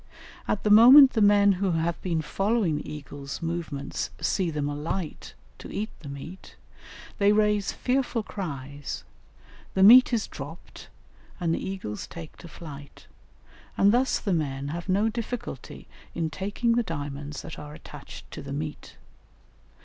At the moment the men who have been following the eagles' movements see them alight to eat the meat, they raise fearful cries, the meat is dropped and the eagles take to flight, and thus the men have no difficulty in taking the diamonds that are attached to the meat.